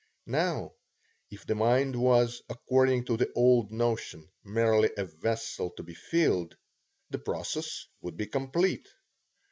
Now, if the mind was, according to the old notion, merely a vessel to be filled, the process would be complete.